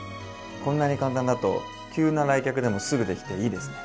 こんなに簡単だと急な来客でもすぐできていいですね。